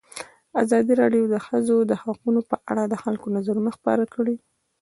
ازادي راډیو د د ښځو حقونه په اړه د خلکو نظرونه خپاره کړي.